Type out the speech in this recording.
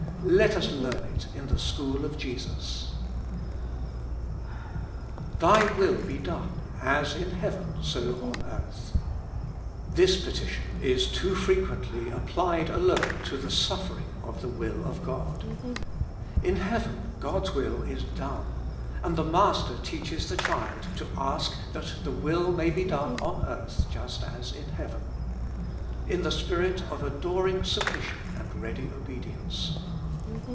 Let us learn it in the school of Jesus! " Thy will be done, as in heaven, so on earths This petition is too frequently applied alone to the 35 With Christ in the School of Prayer. suffering of the will of God. In heaven God's will is done, and the Master teaches the child to ask that the will may be done on earth just as in heaven ; in the spirit of adoring submission and ready obedience.